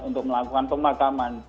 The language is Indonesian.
untuk melakukan pemakaman